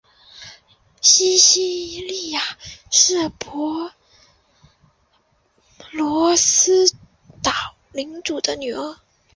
西西莉亚是帕罗斯岛领主的女儿。